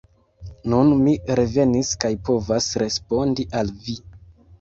Nun mi revenis kaj povas respondi al vi.